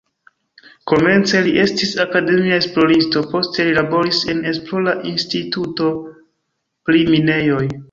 Komence li estis akademia esploristo, poste li laboris en esplora instituto pri minejoj.